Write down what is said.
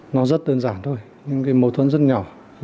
nó rất đơn giản thôi nhưng cái mâu thuẫn rất nhỏ